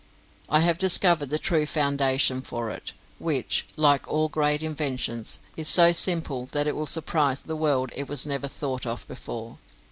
I have discovered the true foundation for it, which, like all great inventions, is so simple that it will surprise the world it was never thought of before.